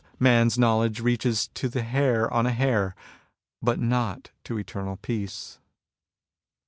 man's knowledge reaches to the hair on a hair, but not to eternal peace.